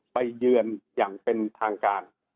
เยือนอย่างเป็นทางการ